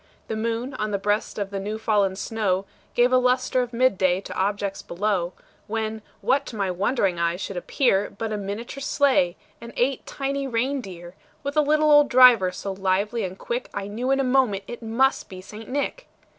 The moon, on the breast of the new fallen snow, Gave a lustre of mid day to objects below; When, what to my wondering eyes should appear, But a miniature sleigh, and eight tiny rein deer, With a little old driver, so lively and quick, I knew in a moment it must be St. Nick.